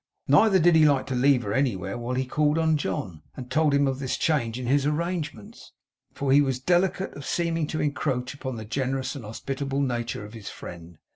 Neither did he like to leave her anywhere while he called on John, and told him of this change in his arrangements; for he was delicate of seeming to encroach upon the generous and hospitable nature of his friend.